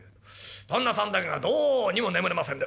旦那さんだけがどうにも眠れませんで。